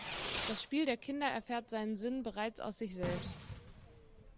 Das Spiel der Kinder erfährt seinen Sinn bereits aus sich selbst.